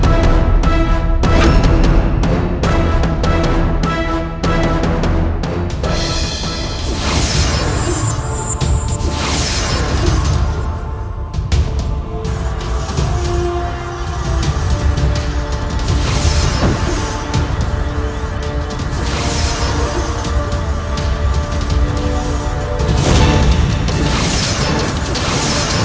allah kuantmes black